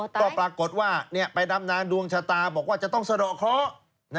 ก็ปรากฏว่าไปดำนานดวงชะตาบอกว่าจะต้องสะดอกเคราะห์